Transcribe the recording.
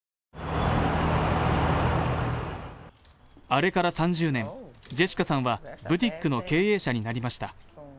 あれから３０年、ジェシカさんはブティックの経営者になりました。